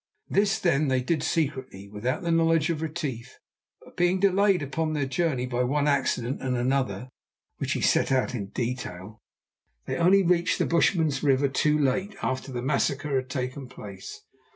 This then they did secretly, without the knowledge of Retief, but being delayed upon their journey by one accident and another, which he set out in detail, they only reached the Bushman's River too late, after the massacre had taken place.